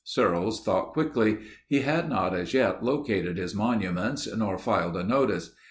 Searles thought quickly. He had not as yet located his monuments nor filed a notice.